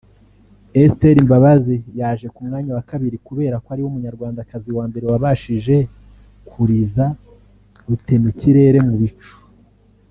Esther Mbabazi yaje ku mwanya wa kabiri kubera ko ariwe munyarwandakazi wa mbere wabashije kuriza rutemikirere mu bicu